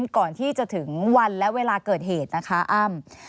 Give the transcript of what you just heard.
ก่อนที่จะถึงวันและเวลาเกิดเหตุนะคะอ้ำ